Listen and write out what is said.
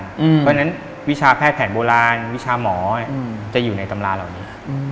เพราะฉะนั้นวิชาแพทย์แผนโบราณวิชาหมอจะอยู่ในตำราเหล่านี้